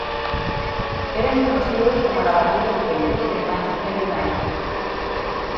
Eran conocidos como la "patrulla juvenil" del Manchester United.